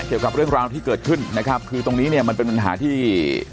เกี่ยวกับเรื่องราวที่เกิดขึ้นนะครับคือตรงนี้เนี่ยมันเป็นปัญหาที่